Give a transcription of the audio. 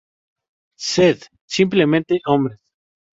Sed simplemente hombres.